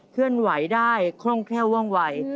เคลื่อนไหวได้คล่องแคล่วว่องวัย